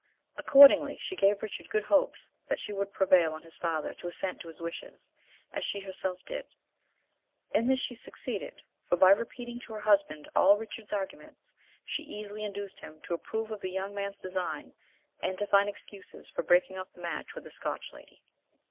Accordingly she gave Richard good hopes that she would prevail on his father to assent to his wishes, as she herself did; in this she succeeded, for by repeating to her husband all Richard's arguments, she easily induced him to approve of the young man's design, and to find excuses for breaking off the match with the Scotch lady.